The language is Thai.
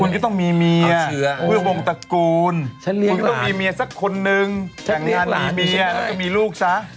คุณต้องมีเมียสักคนนึงแข่งงานมีเมียแล้วก็มีลูกซ้า